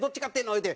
言うて。